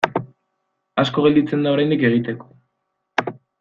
Asko gelditzen da oraindik egiteko.